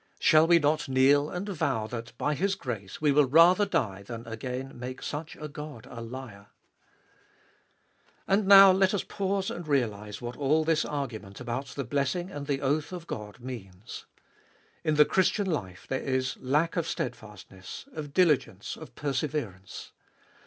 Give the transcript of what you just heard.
Shall we not kneel and vow that by His grace we will rather die than again make such a God a liar ? And now let us pause and realise what all this argument about the blessing and the oath of God means. In the Christian life there is lack of steadfastness, of diligence, of perseverance.